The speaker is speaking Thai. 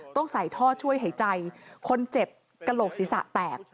ต้องใส่ท่อช่วยหายใจคนเจ็บกระโหลกศีรษะแตก